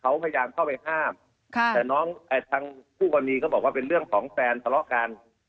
เขาพยายามเข้าไปห้ามแต่ผู้บอดนี้เขาบอกว่าเป็นเรื่องของแฟนตลอกการ